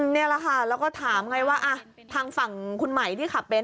นี่แหละค่ะแล้วก็ถามไงว่าทางฝั่งคุณใหม่ที่ขับเบนท